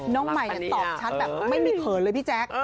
น้องใหม่ตอบชัดแบบไม่มีเขินเลยพี่แจ๊ค